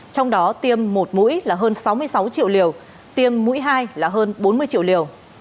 trong đó tiêm một mũi là hơn sáu mươi sáu triệu liều tiêm mũi hai là hơn bốn mươi triệu liều